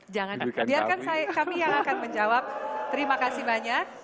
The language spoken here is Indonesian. jangan biarkan kami yang akan menjawab terima kasih banyak